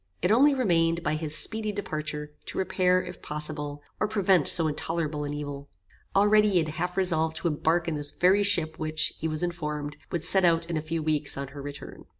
It only remained, by his speedy departure, to repair, if possible, or prevent so intolerable an evil. Already he had half resolved to embark in this very ship which, he was informed, would set out in a few weeks on her return.